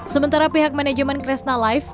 sementara pihak manajemen kresna life